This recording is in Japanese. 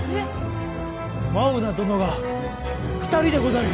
マウナどのが２人でござる！